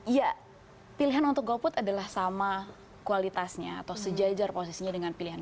ya pilihan untuk golput adalah sama kualitasnya atau sejajar posisinya dengan pilihan